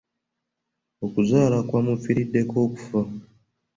Okuzaala kwamuviiriddeko okufa.